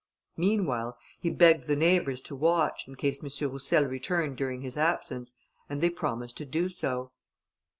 Meanwhile he begged the neighbours to watch, in case M. Roussel returned during his absence; and they promised to do so.